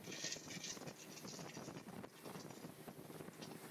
这项工作由学校老师来匿名进行。